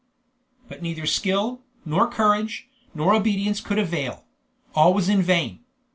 But neither skill, nor courage, nor obedience could avail; all was in vain.